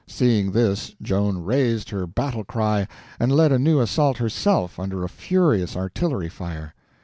Seeing this, Joan raised her battle cry and led a new assault herself under a furious artillery fire.